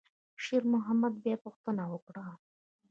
شېرمحمد بیا پوښتنه وکړه.